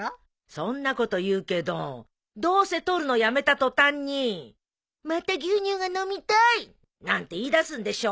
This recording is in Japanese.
そんなこと言うけどどうせ取るのやめた途端に「また牛乳が飲みたい」なんて言いだすんでしょ？